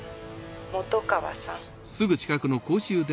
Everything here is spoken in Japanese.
本川さん。